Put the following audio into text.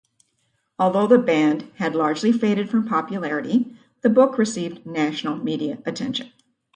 Although the band had largely faded from popularity, the book received national media attention.